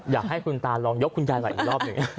อยากให้คุณตาลองยกคุณยายใหม่อีกรอบหนึ่ง